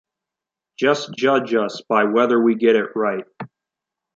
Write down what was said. Just judge us by whether we get it right.